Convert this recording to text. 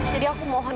jadi aku mohon